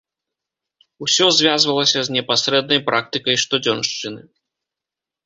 Усё звязвалася з непасрэднай практыкай штодзёншчыны.